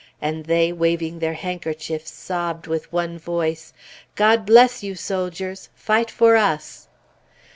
and they, waving their handkerchiefs, sobbed with one voice, "God bless you, Soldiers! Fight for us!"